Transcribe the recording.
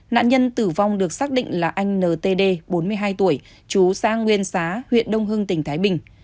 nạn nhân tử vong được xác định là anh ntd bốn mươi hai tuổi chú xã nguyên xá huyện đông hưng tỉnh thái bình